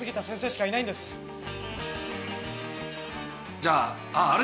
じゃあああれだ。